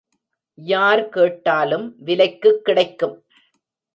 யார் கேட்டாலும் விலைக்குக் கிடைக்கும்.